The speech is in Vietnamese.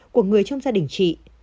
của người trong gia đình chị